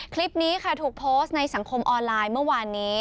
คลิปนี้ค่ะถูกโพสต์ในสังคมออนไลน์เมื่อวานนี้